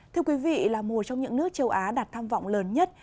thưa quý vị là một trong những nước châu á đạt tham vọng lớn nhất